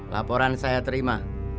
laporan saya terima